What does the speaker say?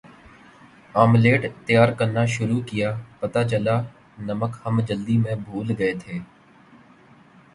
omelette تیار کرنا شروع کیا پتا چلا نمک ہم جلدی میں بھول گئےتھے